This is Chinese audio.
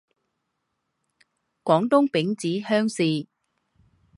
广东丙子乡试。